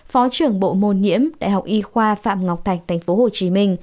phó trưởng bộ môn nhiễm đại học y khoa phạm ngọc thạch tp hcm